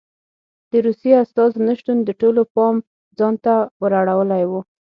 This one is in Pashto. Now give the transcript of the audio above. د روسیې استازو نه شتون د ټولو پام ځان ته ور اړولی و.